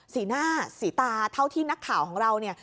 สีหน้าสีตาเท่าที่นักข่าวของเราเนี่ย